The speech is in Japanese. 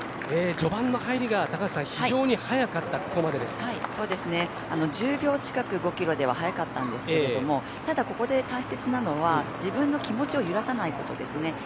序盤の入りが非常に速かった１０秒近く、５キロでは速かったんですけれどもただ、ここで大切なのは自分の気持ちを揺らさないことですね。